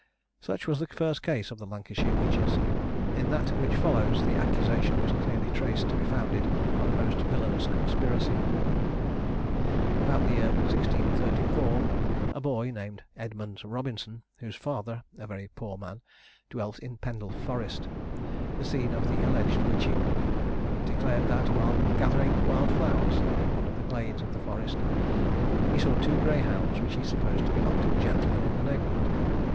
Such was the first case of the Lancashire Witches. In that which follows, the accusation was clearly traced to be founded on a most villanous conspiracy. About the year 1634, a boy named Edmund Robinson, whose father, a very poor man, dwelt in Pendle Forest, the scene of the alleged witching, declared that, while gathering wild flowers in one of the glades of the forest, he saw two greyhounds, which he supposed to belong to a gentleman in the neighbourhood.